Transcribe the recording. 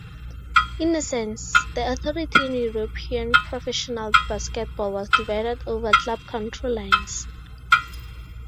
In essence, the authority in European professional basketball was divided over club-country lines.